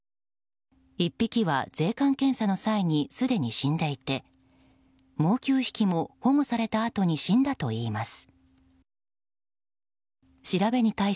１匹は税関検査の際にすでに死んでいてもう９匹も保護されたあとに死んだといいます。